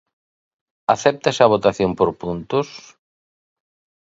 ¿Acéptase a votación por puntos?